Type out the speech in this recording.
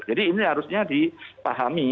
jadi ini harusnya dipahami